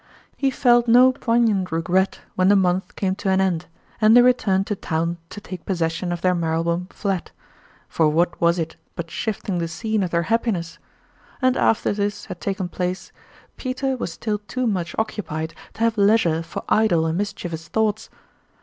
He felt no poignant regret when the month came to an end, and they returned to town to take possession of their Marylebone flat: for what was it but shifting the scene of their happiness ? And after this had taken place, Peter was still too much occupied to have leis ure for idle and mischievous thoughts.